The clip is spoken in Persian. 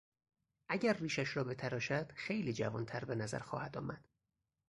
اگر ریشش را بتراشد خیلی جوانتر به نظر خواهد آمد.